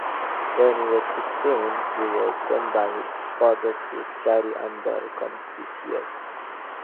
When he was sixteen, he was sent by his father to study under Confucius.